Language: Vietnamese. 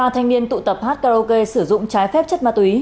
năm mươi ba thanh niên tụ tập hát karaoke sử dụng trái phép chất ma túy